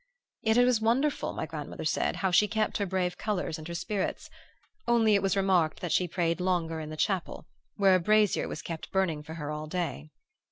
Yet it was wonderful, my grandmother said, how she kept her brave colors and her spirits; only it was remarked that she prayed longer in the chapel, where a brazier was kept burning for her all day.